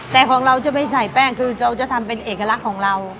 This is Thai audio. แต่ของเราจะไม่ใส่แป้งคือเราจะทำเป็นเอกลักษณ์ของเรา